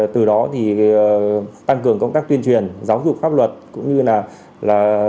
từ đó thì tăng cường công tác tuyên truyền giáo dục pháp luật cũng như là